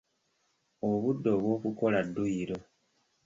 Obudde obw’okukola dduyiro.